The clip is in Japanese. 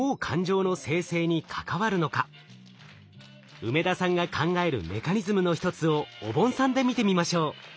梅田さんが考えるメカニズムの一つをおぼんさんで見てみましょう。